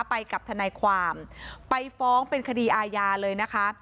ไปกับทนายความไปฟ้องเป็นคดีอาญาเลยนะคะ